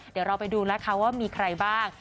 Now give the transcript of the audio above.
เดี๋ยวเราไปดูนะคะว่ามีใครบ้าง